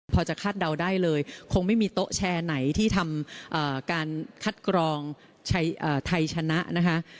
พอจะคาดเดาได้เลยคงไม่มีโต๊ะแชร์ไหนที่ทำการคัดกรองไทยชนะนะคะ